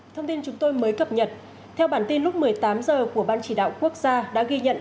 thông tin chúng tôi mới cập nhật theo bản tin lúc một mươi tám h của ban chỉ đạo quốc gia đã ghi nhận